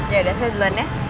ya udah saya duluan ya